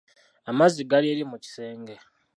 Amazzi gali eri mu kisenge.